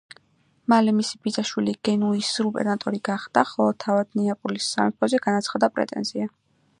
მალე მისი ბიძაშვილი გენუის გუბერნატორი გახდა, ხოლო თავად ნეაპოლის სამეფოზე განაცხადა პრეტენზია.